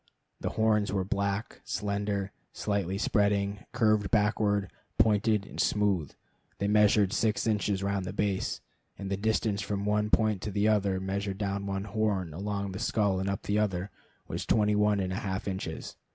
The horns were black, slender, slightly spreading, curved backward, pointed, and smooth. They measured six inches round the base, and the distance from one point to the other, measured down one horn, along the skull, and up the other, was twenty one and a half inches.